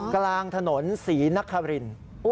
กลางถนนศรีนคริน